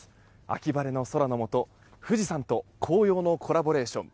秋晴れの空のもと、富士山と紅葉のコラボレーション。